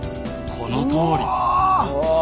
このとおり。